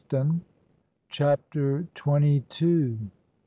CHAPTER TWENTY TWO.